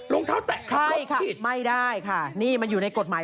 รองเท้าแตะใช่ค่ะไม่ได้ค่ะนี่มันอยู่ในกฎหมาย